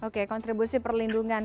oke kontribusi perlindungan